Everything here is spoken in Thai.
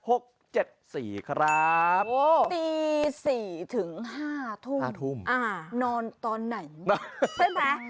โอ้โหตี๔ถึง๕ทุ่ม๕ทุ่มนอนตอนไหนใช่ไหม